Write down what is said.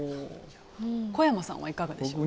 小山さんはいかがですか？